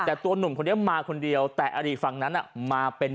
แต่ตัวหนุ่มคนนี้มาคนเดียวแต่อดีตฝั่งนั้นมาเป็น